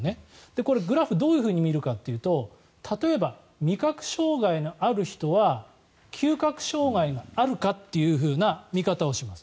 これ、グラフをどう見るかというと例えば味覚障害のある人は嗅覚障害があるかという見方をします。